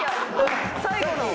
最後の。